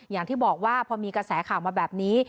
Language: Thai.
อย่างที่บอกว่าพอมีกระแสข่าวมาแบบนี้